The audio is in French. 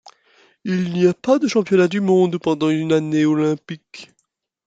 Il n'y a pas de championnats du monde pendant une année olympique.